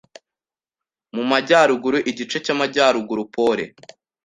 mu majyaruguru igice cy'amajyaruguru Pole